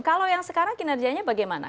kalau yang sekarang kinerjanya bagaimana